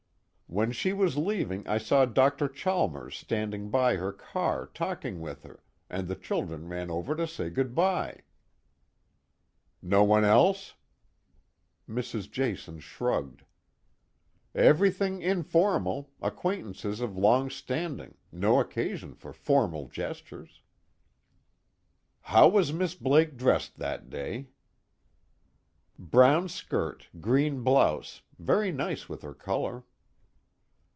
"When she was leaving, I saw Dr. Chalmers standing by her car talking with her, and the children ran over to say good bye." "No one else?" Mrs. Jason shrugged. "Everything informal acquaintances of long standing, no occasion for formal gestures." "How was Miss Blake dressed that day?" "Brown skirt, green blouse, very nice with her color."